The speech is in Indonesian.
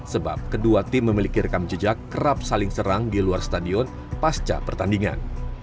sebab kedua tim memiliki rekam jejak kerap saling serang di luar stadion pasca pertandingan